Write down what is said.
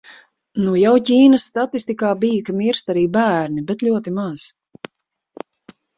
Nu jau Ķīnas statistikā bija, ka mirst arī bērni, bet ļoti maz.